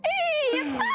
やったー！